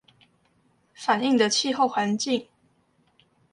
反映的氣候環境